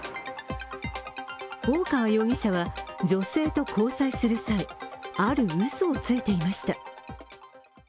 大川容疑者は女性と交際する際、あるうそをついていました。